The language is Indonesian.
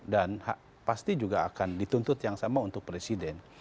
dan pasti juga akan dituntut yang sama untuk presiden